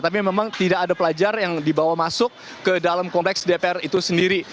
tapi memang tidak ada pelajar yang dibawa masuk ke dalam kompleks dpr itu sendiri